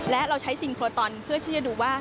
และเราใช้ซิงโครตอนเพื่อที่จะดูว่า